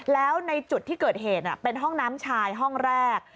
แล้วในจุดที่เกิดเหตุเป็นห้องน้ำชายห้องแรก